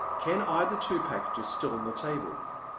Ken eyed the two packages still on the table.